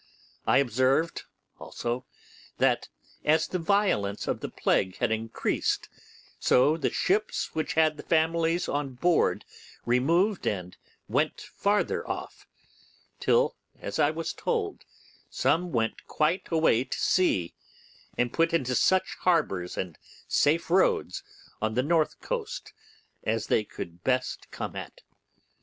I observed also that, as the violence of the plague had increased, so the ships which had families on board removed and went farther off, till, as I was told, some went quite away to sea, and put into such harbours and safe roads on the north coast as they could best come at.